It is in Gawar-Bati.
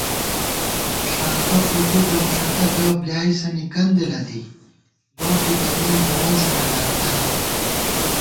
ݭانکہ فوٹی گمݭَتہ گہ بۡلیائېنَنی کندے لَدِی لو ٹِپَمېن لوَنسَنہ داکتراں